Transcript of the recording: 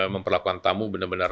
memperlakukan tamu benar benar